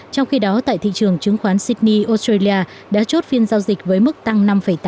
trong khi đó tại thị trường chứng khoán sydney australia đã chốt phiên giao dịch với mức tăng năm tám